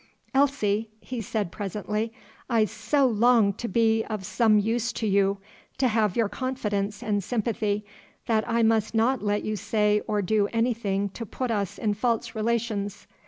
"Elsie," he said, presently, "I so long to be of some use to you, to have your confidence and sympathy, that I must not let you say or do anything to put us in false relations.